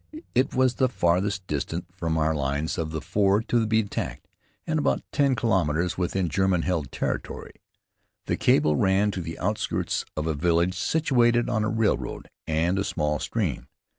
It was the farthest distant from our lines of the four to be attacked, and about ten kilometres within German held territory. The cable ran to the outskirts of a village situated on a railroad and a small stream.